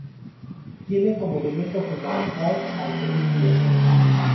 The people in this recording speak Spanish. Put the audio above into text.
Tiene como elemento fundamental al folículo.